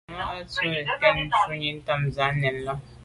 Màmá à’ tswə́ yə́n kɔ̌ shúnì támzə̄ à nɛ̌n lá’.